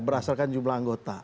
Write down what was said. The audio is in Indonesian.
berdasarkan jumlah anggota